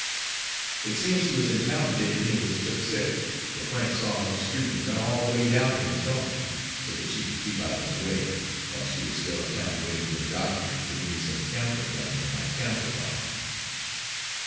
It seems he was in town the day Rena was took sick, for Frank saw him up street and run all the way down here to tell me, so that she could keep out of his way, while she was still up town waiting for the doctor and getting me some camphor gum for my camphor bottle.